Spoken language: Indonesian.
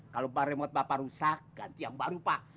kalau remote bapak rusak ganti yang baru pak